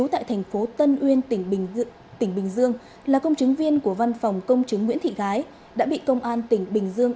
tỉnh bình dương là công chứng viên của văn phòng công chứng nguyễn thị gái đã bị công an tỉnh bình dương